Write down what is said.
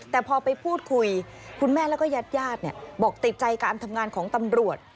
แต่พอไปพูดคุยคุณแม่และยาดบอกติดใจกับอันทำงานของตำรวจ